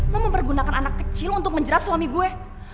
lo mempergunakan anak kecil untuk menjerat suami gue